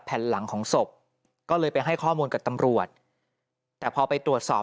หลังจากพบศพผู้หญิงปริศนาตายตรงนี้ครับ